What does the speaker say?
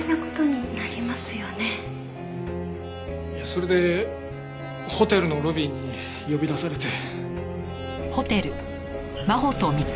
それでホテルのロビーに呼び出されて。